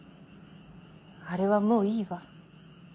あれはもういいわ。